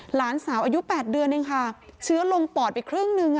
หลานสาวอายุ๘เดือนเองค่ะเชื้อลงปอดไปครึ่งหนึ่ง